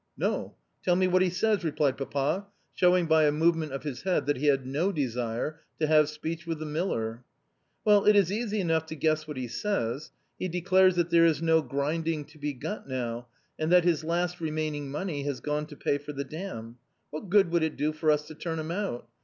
"No. Tell me what he says," replied Papa, showing by a movement of his head that he had no desire to have speech with the miller. "Well, it is easy enough to guess what he says. He declares that there is no grinding to be got now, and that his last remaining money has gone to pay for the dam. What good would it do for us to turn him out?